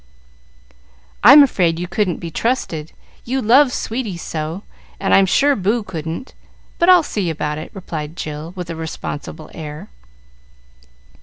"I'm afraid you couldn't be trusted, you love sweeties so, and I'm sure Boo couldn't. But I'll see about it," replied Jill, with a responsible air.